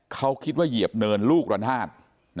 เขาคิดว่าเหยียบเนินลูกระนาด